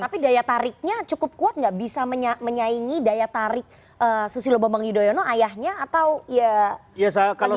tapi daya tariknya cukup kuat nggak bisa menyaingi daya tarik susilo bambang yudhoyono ayahnya atau ya